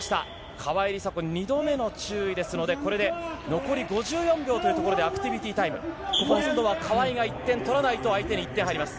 川井梨紗子に２度目の注意ですので、これで残り５４秒というところで、アクティビティタイム、今度は川井が１点取らないと、相手に１点入ります。